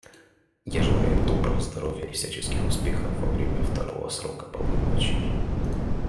Я желаю ему доброго здоровья и всяческих успехов во время второго срока полномочий.